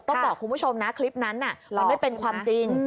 ต้องบอกคุณผู้ชมนะคลิปนั้นมันไม่เป็นความจริง